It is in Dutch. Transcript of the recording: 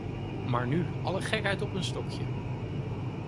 Maar nu alle gekheid op een stokje.